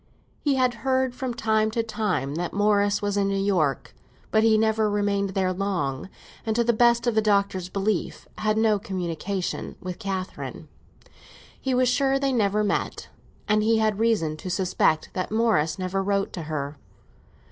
He had heard from time to time that Morris was in New York; but he never remained there long, and, to the best of the Doctor's belief, had no communication with Catherine. He was sure they never met, and he had reason to suspect that Morris never wrote to her.